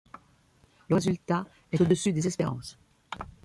Le résultat est au-dessus des espérances.